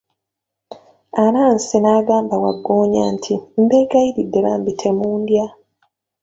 Anansi n'agamba wagggoonya nti, mbegayiridde bambi temundya!